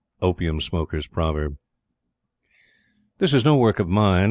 Opium Smoker's Proverb. This is no work of mine.